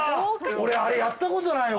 俺あれやったことないわ。